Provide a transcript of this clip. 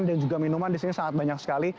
dan juga minuman di sini sangat banyak sekali